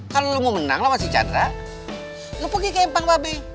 kalo lo mau menang lawan si cadra lo pergi ke empang mba be